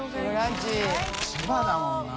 千葉だもんな。